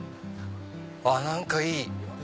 何かいい！